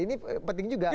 ini penting juga